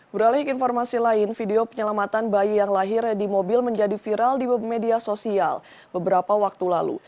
beralik informasi lain video penyelamatan bayi yang lahir di mobil menjadi viral di media sosial beberapa waktu lalu